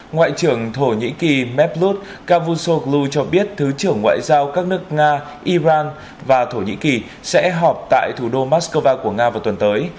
ngoại trưởng thổ nhĩ kỳ medvlut cavusoglu cho biết thứ trưởng ngoại giao các nước nga iran và thổ nhĩ kỳ sẽ họp tại thủ đô moscow của nga vào tuần tới